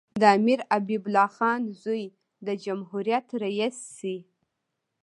د امیر حبیب الله خان زوی د جمهوریت رییس شي.